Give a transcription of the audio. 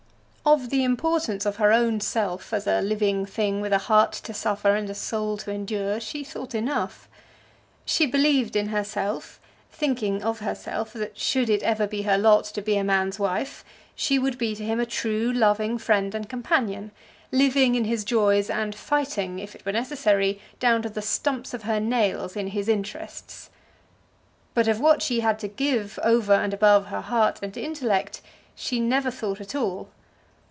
Of the importance of her own self as a living thing with a heart to suffer and a soul to endure, she thought enough. She believed in herself, thinking of herself, that should it ever be her lot to be a man's wife, she would be to him a true, loving friend and companion, living in his joys, and fighting, if it were necessary, down to the stumps of her nails in his interests. But of what she had to give over and above her heart and intellect she never thought at all.